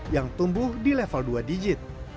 yang tumbuh di level dua digit